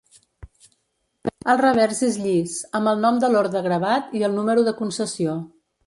El revers és llis, amb el nom de l'orde gravat i el número de concessió.